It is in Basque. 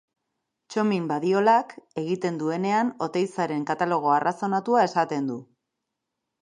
Txomin Badiolak egiten duenean Oteizaren katalogo arrazonatua esaten du.